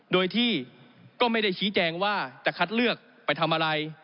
โดยที่ก็ไม่ได้ชี้แจงว่าจะคัดเลือกไปทำอะไร